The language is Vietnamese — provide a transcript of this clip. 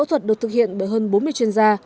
phẫu thuật được thực hiện bởi hơn bốn mươi chuyên gia